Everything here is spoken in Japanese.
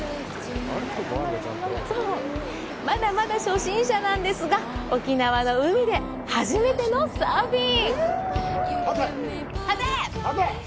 まだまだ初心者なんですが、沖縄の海で、初めてのサーフィン。